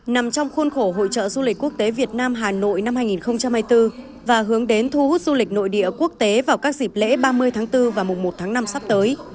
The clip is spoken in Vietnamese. nằm trong khuôn khổ hội trợ du lịch quốc tế việt nam hà nội năm hai nghìn hai mươi bốn và hướng đến thu hút du lịch nội địa quốc tế vào các dịp lễ ba mươi tháng bốn và mùng một tháng năm sắp tới